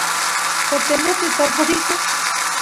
septiembrepi tarpoq riyku